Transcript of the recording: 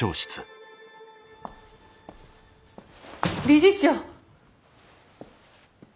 理事長。